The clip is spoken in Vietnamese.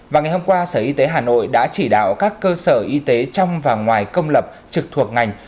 và ngày hôm qua sở y tế hà nội đã chỉ đạo các cơ sở y tế trong và ngoài công lập trực thuộc ngành